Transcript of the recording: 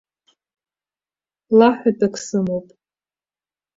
Лаҳәатәык сымоуп.